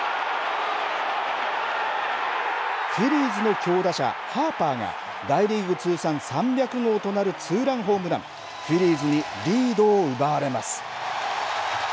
フィリーズの強打者、ハーパーが大リーグ通算３００号となるツーランホームランフィリーズにリードを奪われます。